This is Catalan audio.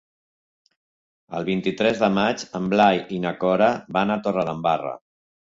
El vint-i-tres de maig en Blai i na Cora van a Torredembarra.